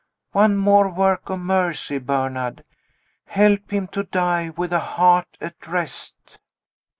"One more work of mercy, Bernard. Help him to die with a heart at rest."